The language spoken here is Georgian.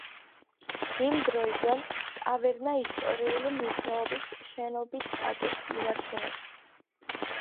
იმ დროიდან, ტავერნა ისტორიული მნიშვნელობის შენობის სტატუსს ინარჩუნებს.